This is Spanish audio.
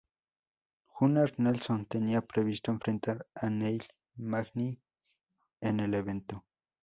Gunnar Nelson tenía previsto enfrentar a Neil Magny en el evento.